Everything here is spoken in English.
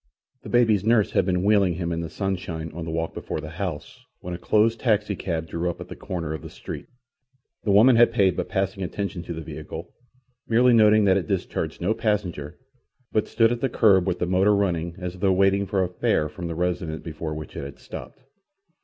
The baby's nurse had been wheeling him in the sunshine on the walk before the house when a closed taxicab drew up at the corner of the street. The woman had paid but passing attention to the vehicle, merely noting that it discharged no passenger, but stood at the kerb with the motor running as though waiting for a fare from the residence before which it had stopped.